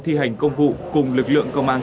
thi hành công vụ cùng lực lượng công an